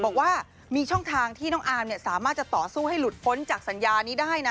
บอกว่ามีช่องทางที่น้องอาร์มสามารถจะต่อสู้ให้หลุดพ้นจากสัญญานี้ได้นะ